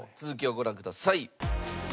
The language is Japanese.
続きをご覧ください。